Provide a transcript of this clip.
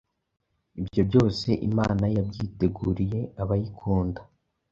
ibyo byose Imana yabyiteguriye abayikunda.’